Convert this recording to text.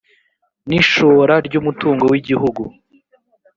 n ishora ry umutungo w igihugu